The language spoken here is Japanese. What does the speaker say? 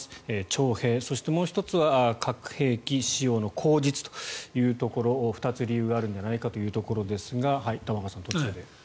徴兵、そしてもう１つは核兵器使用の口実というところ２つ理由があるんじゃないかというところですが玉川さん、途中でしたが。